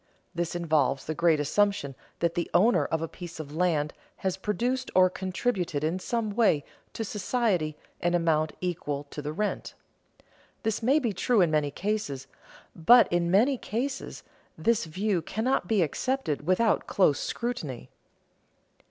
This involves the great assumption that the owner of a piece of land has produced or contributed in some way to society an amount equal to the rent. This may be true in many cases, but in many cases this view cannot be accepted without close scrutiny.